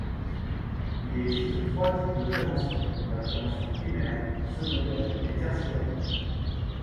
Il existe trois types de préventions, la prévention primaire, secondaire et tertiaire.